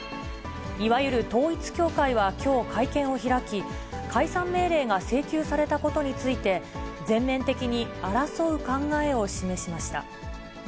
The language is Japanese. いわゆる統一教会はきょう会見を開き、解散命令が請求されたことについて、全面的に争う考えを示しました。